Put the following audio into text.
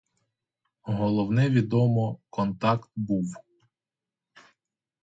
Головне відомо: контакт був.